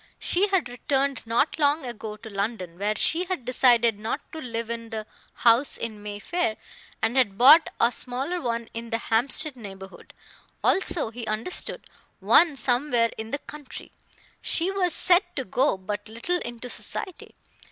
She had returned not long ago to London, where she had decided not to live in the house in Mayfair, and had bought a smaller one in the Hampstead neighborhood; also, he understood, one somewhere in the country. She was said to go but little into society.